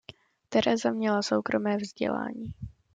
Tereza měla soukromé vzdělání.